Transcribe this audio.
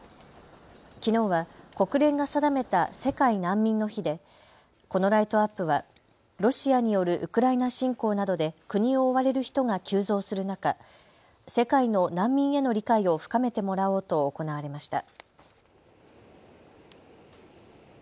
きのうは国連が定めた世界難民の日でこのライトアップはロシアによるウクライナ侵攻などで国を追われる人が急増する中、世界の難民への理解を深めてもらおうと行われました。